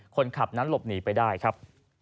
คนขับนั้นหลบหนีไปได้ครับ